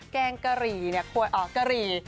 แกงกะหรี่นี่ควรอ๋อกะหรี่